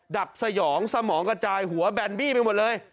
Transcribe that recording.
ดับสยองสมองกระจายหัวแบนบี้ไปหมดเลย